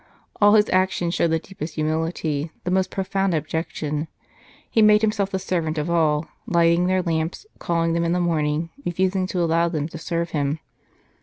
All his actions showed the deepest humility, the most profound abjection. He made himself the servant of all, lighting their lamps, calling them in the morning, refusing to allow them to serve him.